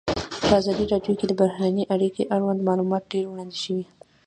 په ازادي راډیو کې د بهرنۍ اړیکې اړوند معلومات ډېر وړاندې شوي.